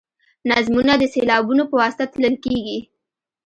نظمونه د سېلابونو په واسطه تلل کیږي.